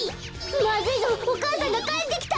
まずいぞお母さんがかえってきた！